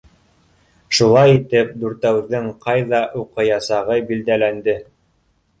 Шулай итеп, дүртәүҙең ҡайҙа уҡыясағы билдәләнде.